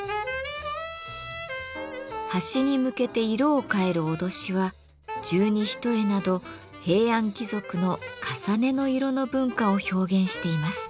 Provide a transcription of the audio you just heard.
端に向けて色を変える威しは十二単など平安貴族のかさねの色の文化を表現しています。